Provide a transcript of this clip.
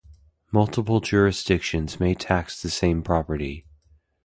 Multiple jurisdictions may tax the same property.